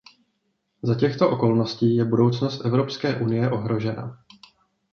Za těchto okolností je budoucnost Evropské unie ohrožena.